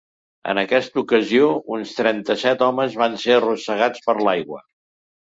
En aquesta ocasió, uns trenta-set homes van ser arrossegats per l'aigua.